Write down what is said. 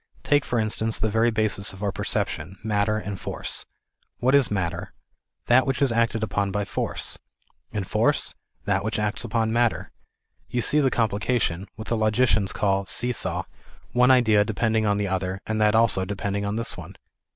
Take for instance the very basis of our perception, matter and force. What is matter ? That which is acted upon by force. And force ? That which acts upon matter. You see the complication, what the logicians call see saw, one idea depending on the other, and that also depending on this one.